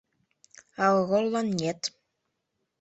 А ороллан нет...